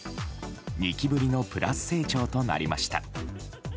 ２期ぶりのプラス成長となりました。